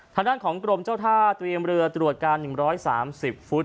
ทางด้านของกรมเจ้าท่าเตรียมเรือตรวจการ๑๓๐ฟุต